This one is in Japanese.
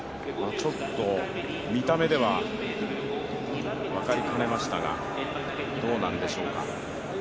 ちょっと見た目では分かりかねましたが、どうなんでしょうか？